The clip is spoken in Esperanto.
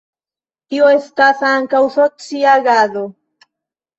Tio estas ankaŭ socia agado.